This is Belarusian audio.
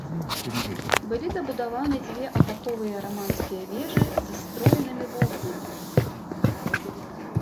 Былі дабудаваны дзве апаковыя раманскія вежы з строенымі вокнамі.